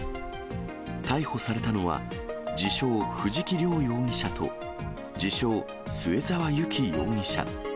逮捕されたのは、自称、藤木涼容疑者と自称、末澤有希容疑者。